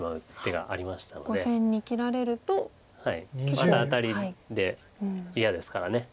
またアタリで嫌ですから。